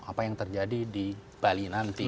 apa yang terjadi di bali nanti